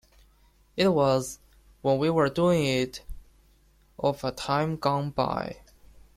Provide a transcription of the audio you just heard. It was, when we were doing it, of a time gone by.